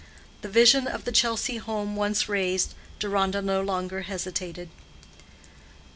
The vision of the Chelsea home once raised, Deronda no longer hesitated.